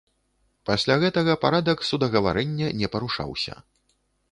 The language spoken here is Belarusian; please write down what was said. Пасля гэтага парадак судагаварэння не парушаўся.